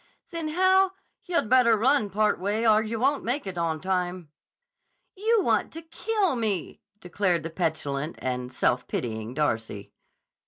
"Then, how—" "Yah'd better run part way, or yah won't make it on time." "You want to kill me!" declared the petulant and self pitying Darcy.